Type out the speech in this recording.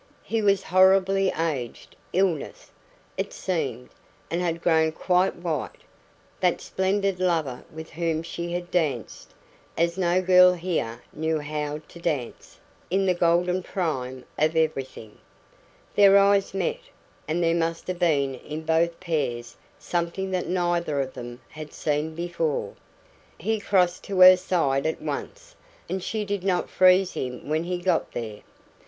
He was horribly aged illness, it seemed and had grown quite white that splendid lover with whom she had danced, as no girl here knew how to dance, in the golden prime of everything! Their eyes met, and there must have been in both pairs something that neither of them had seen before. He crossed to her side at once, and she did not freeze him when he got there.